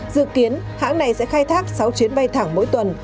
dự kiến hãng này sẽ khai thác sáu chuyến bay thẳng mỗi tuần